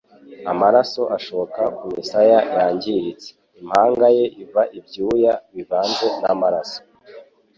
amaraso ashoka mu misaya yangiritse: impanga ye iva ibyuya bivanze n'amaraso.